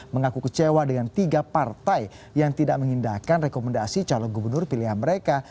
mengaku kecewa dengan tiga partai yang tidak mengindahkan rekomendasi calon gubernur pilihan mereka